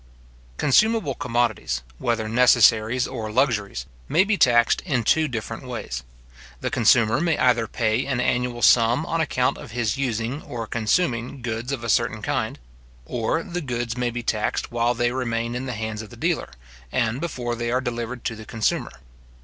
Consumable commodities, whether necessaries or luxuries, may be taxed in two different ways. The consumer may either pay an annual sum on account of his using or consuming goods of a certain kind; or the goods may be taxed while they remain in the hands of the dealer, and before they are delivered to the consumer.